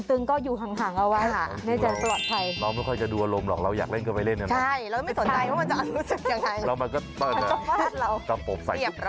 เรามันก็ต้อนรับกับผมสักทีครับ